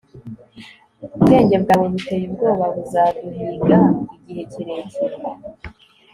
bwenge bwawe buteye ubwoba buzaduhiga igihe kirekire